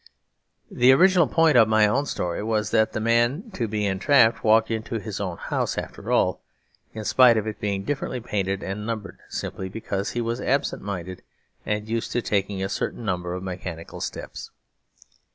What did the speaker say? The original point of my own story was that the man to be entrapped walked into his own house after all, in spite of it being differently painted and numbered, simply because he was absent minded and used to taking a certain number of mechanical steps.